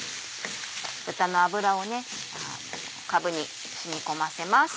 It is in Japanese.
豚の脂をかぶに染み込ませます。